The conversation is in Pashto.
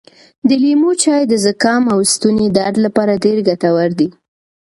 د لیمو چای د زکام او ستوني درد لپاره ډېر ګټور دی.